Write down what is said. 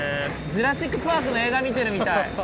「ジュラシック・パーク」の映画見てるみたい。